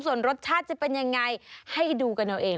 ส่วนรสชาติจะเป็นยังไงให้ดูกันเอาเอง